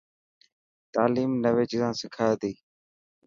تعليم نوي چيزا سکائي تي.